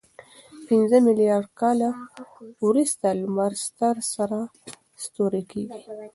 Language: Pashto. پنځه میلیارد کاله وروسته لمر ستر سره ستوری کېږي.